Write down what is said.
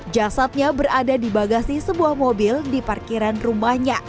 jasadnya berada di bagasi sebuah mobil di parkiran rumahnya